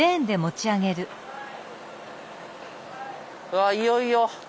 わあいよいよ。